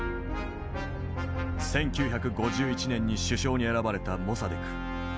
１９５１年に首相に選ばれたモサデク。